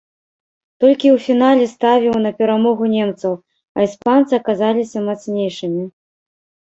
Толькі ў фінале ставіў на перамогу немцаў, а іспанцы аказаліся мацнейшымі.